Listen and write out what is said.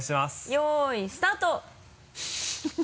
よいスタート。